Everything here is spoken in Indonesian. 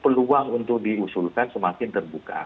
peluang untuk diusulkan semakin terbuka